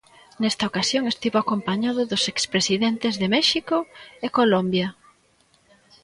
Nesta ocasión estivo acompañado dos expresidentes de México e Colombia.